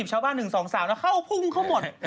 ชาวบ้านหนึ่งสองสามเค้าพุงเค้าหมด